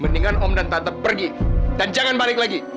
mendingan om dan tante pergi dan jangan balik lagi